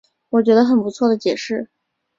我觉得很不错的解释